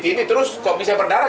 di tindih terus kok bisa berdarah